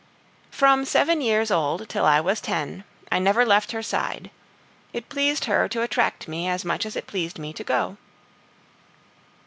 From seven years old till I was ten, I never left her side; it pleased her to attract me as much as it pleased me to go.